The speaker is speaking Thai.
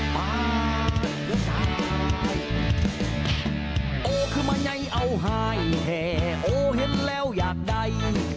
ป่าหยกตายโอ้คือมะไยเอาหายแทโอ้เห็นแล้วอยากใด